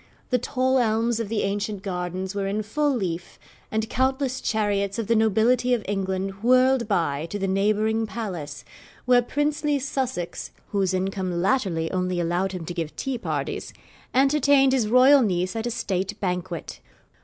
The tall elms of the ancient gardens were in full leaf, and countless chariots of the nobility of England whirled by to the neighbouring palace, where princely Sussex (whose income latterly only allowed him to give tea parties) entertained his royal niece at a state banquet.